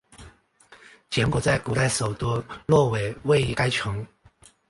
柬埔寨古代首都洛韦位于该城。